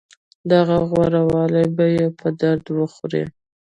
دغه غوره والی به يې په درد وخوري.